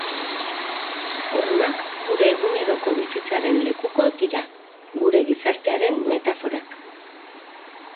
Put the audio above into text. Hormak gure eguneroko bizitzaren lekuko dira, gure gizartearen metaforak.